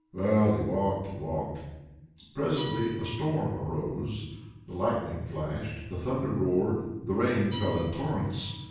Well, he walked and walked. Presently a storm arose; the lightning flashed, the thunder roared, the rain fell in torrents.